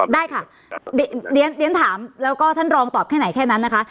ได้ค่ะเรียนถามแล้วก็ท่านรองตอบแค่ไหนแค่นั้นนะคะ